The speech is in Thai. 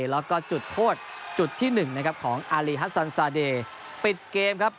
แล้วก็จุดโทษจุดที่๑นะครับของอารีฮัสซันซาเดย์ปิดเกมครับ